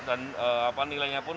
dan nilainya pun